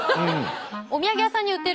お土産屋さんに売ってる。